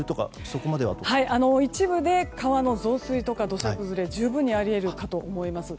一部で川の増水とか土砂崩れ、十分にあり得るかと思います。